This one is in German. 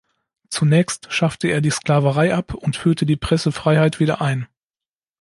Zunächst schaffte er die Sklaverei ab und führte die Pressefreiheit wieder ein.